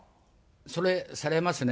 それ、されますね。